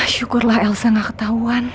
syukurlah elsa gak ketahuan